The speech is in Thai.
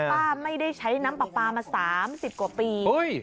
ป้าไม่ได้ใช้น้ำปลาปลามา๓๐กว่าปี